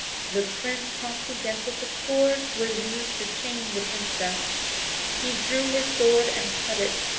The Prince promptly guessed that the cord was used to chain the Princess, and drew his sword and cut it.